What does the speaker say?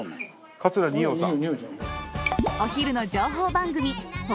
桂二葉さんが。